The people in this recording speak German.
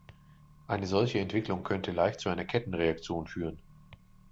Eine solche Entwicklung könnte leicht zu einer Kettenreaktion führen.